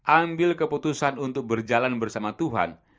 ambil keputusan untuk berjalan bersama tuhan